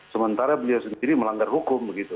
sementara beliau sendiri melanggar hukum begitu